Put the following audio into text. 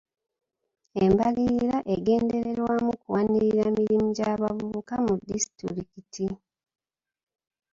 Embalirira egendererwamu kuwanirira mirimu gy'abavubuka mu disitulikiti.